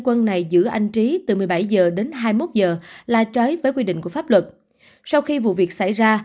quân này giữ anh trí từ một mươi bảy h đến hai mươi một h là trái với quy định của pháp luật sau khi vụ việc xảy ra